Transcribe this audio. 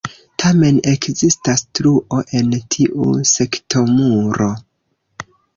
Tamen ekzistas truo en tiu sektomuro.